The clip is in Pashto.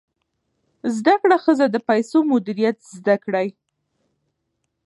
زده کړه ښځه د پیسو مدیریت زده کړی.